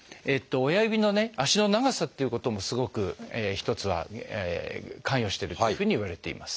親指のね足の長さっていうこともすごく一つは関与しているっていうふうにいわれています。